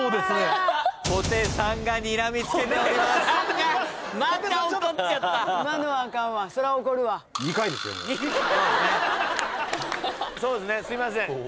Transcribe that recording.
すいません。